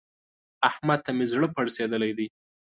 احمد ته مې زړه پړسېدلی دی.